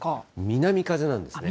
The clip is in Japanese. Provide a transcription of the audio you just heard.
南風なんですね。